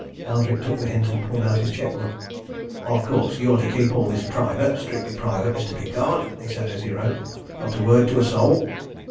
Eldrick took the hint and pulled out his cheque book. "Of course, you're to keep all this private strictly private, Mr. Pickard," he said as he wrote. "Not a word to a soul!"